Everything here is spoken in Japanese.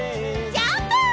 ジャンプ！